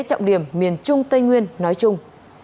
trọng điểm miền trung tây nguyên nói chung